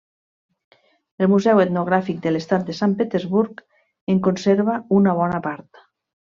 El Museu Etnogràfic de l'Estat de Sant Petersburg en conserva una bona part.